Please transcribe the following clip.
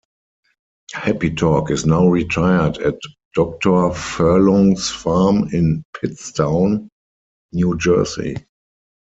Happy Talk is now retired at Doctor Furlong's farm in Pittstown, New Jersey.